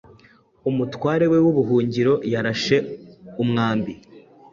Umutware we wubuhungiro yarashe umwambi